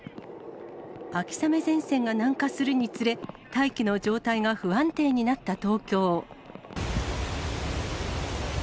秋雨前線が南下するにつれ、大気の状態が不安定になった東京。